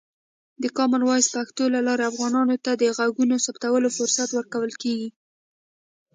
د کامن وایس پښتو له لارې، افغانانو ته د غږونو ثبتولو فرصت ورکول کېږي.